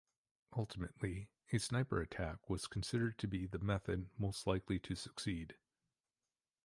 Ultimately a sniper attack was considered to be the method most likely to succeed.